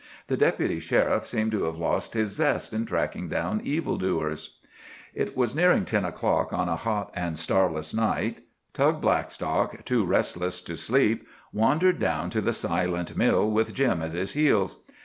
The Deputy Sheriff seemed to have lost his zest in tracking down evil doers. It was nearing ten o'clock on a hot and starless night. Tug Blackstock, too restless to sleep, wandered down to the silent mill with Jim at his heels.